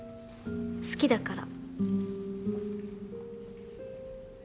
好きだから。